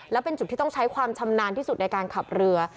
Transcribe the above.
และเป็นจุดที่ต้องใช้ความชำนาญที่สุดในการขับเรือ